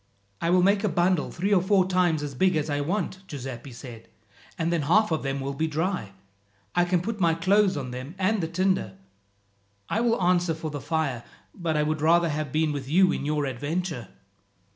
"I will make a bundle three or four times as big as I want," Giuseppi said, "and then half of them will be dry. I can put my clothes on them and the tinder. I will answer for the fire, but I would rather have been with you in your adventure."